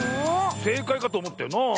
せいかいかとおもったよなあ。